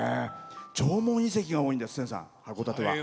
縄文遺跡が多いんです、函館は。